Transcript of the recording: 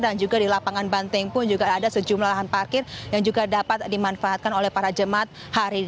dan juga di lapangan banting pun juga ada sejumlah parkir yang juga dapat dimanfaatkan oleh para jemaat hari ini